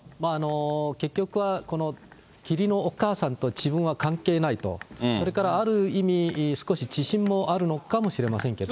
結局はこの義理のお母さんと自分は関係ないと、それからある意味、少し自信もあるのかもしれませんけどね。